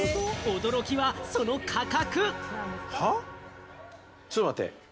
驚きはその価格。